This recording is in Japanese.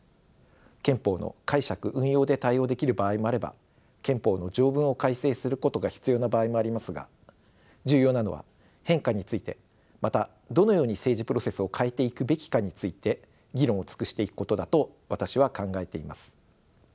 憲法の解釈運用で対応できる場合もあれば憲法の条文を改正することが必要な場合もありますが重要なのは変化についてまたどのように政治プロセスを変えていくべきかについて議論を尽くしていくことだと私は考えています。